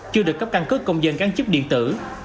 chưa được cấp căn cước công dân gắn chức điện tử